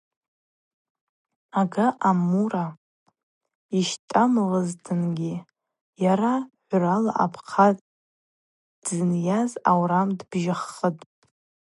Ага а-Мура йыщтамлызтынгьи йара гӏврала апхъа дзынйаз аурам дбжьаххытӏ.